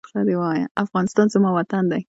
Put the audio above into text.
افغانستان زما وطن دی.